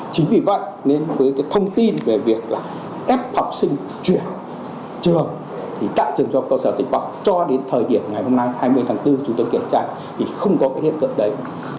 chính vì vậy nên với thông tin về việc ép học sinh chuyển trường thì tạo trường cho cơ sở dịch vọng cho đến thời điểm ngày hôm nay hai mươi tháng bốn chúng tôi kiểm tra thì không có cái hiệp cận đấy